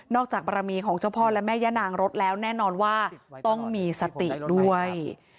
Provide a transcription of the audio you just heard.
จากบรมีของเจ้าพ่อและแม่ย่านางรถแล้วแน่นอนว่าต้องมีสติด้วย